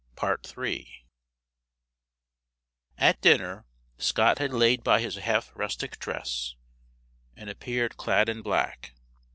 At dinner Scott had laid by his half rustic dress, and appeared clad in black.